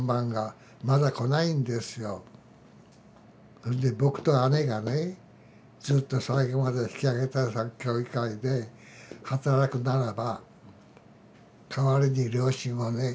それで僕と姉がねずっと最後まで引揚対策協議会で働くならば代わりに両親をね